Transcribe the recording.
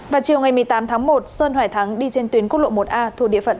vào chiều ngày một mươi tám tháng một sơn hoài thắng đi trên tuyến quốc lộ một a thuộc địa phận